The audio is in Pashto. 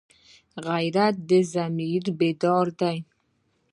غیرت د ضمیر بیداري ده